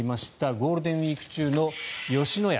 ゴールデンウィーク中の吉野家